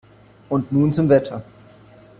Und nun zum Wetter.